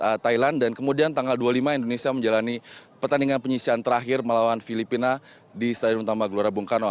di thailand dan kemudian tanggal dua puluh lima indonesia menjalani pertandingan penyisian terakhir melawan filipina di stadion utama gelora bung karno